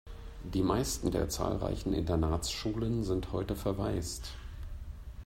Die meisten der zahlreichen Internatsschulen sind heute verwaist.